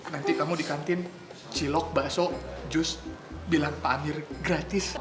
nanti kamu di kantin cilok baso jus bilang pamir gratis